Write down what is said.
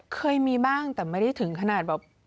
เคยมีบ้างแต่ไม่ได้ถึงขนาดแบบ